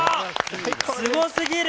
すごすぎる！